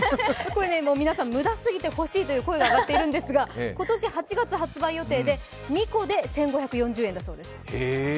これ、皆さん、無駄すぎて欲しいという声が上がってるんですが、今年８月発売予定で２個で１５４０円だそうです。